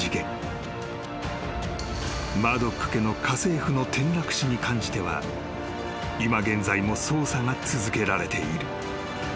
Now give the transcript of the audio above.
［マードック家の家政婦の転落死に関しては今現在も捜査が続けられている］